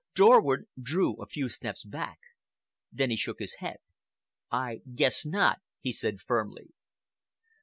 Dorward drew a few steps back. Then he shook his head. "I guess not," he said firmly.